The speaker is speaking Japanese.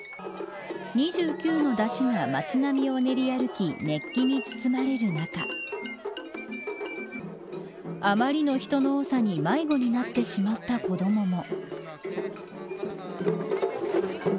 ２９の山車が町並みを練り歩き熱気に包まれる中あまりの人の多さに迷子になってしまった子どもも。